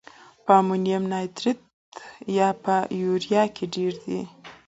په امونیم نایتریت یا په یوریا کې ډیر دی؟